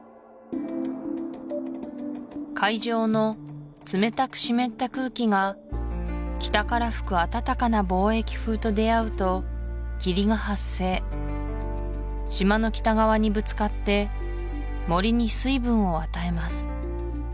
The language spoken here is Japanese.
海上の冷たく湿った空気が北から吹く暖かな貿易風と出会うと霧が発生島の北側にぶつかって森に水分を与えます